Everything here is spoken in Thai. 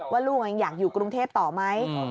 ว่าลูกยังอยากอยู่กรุงเทพต่อไหม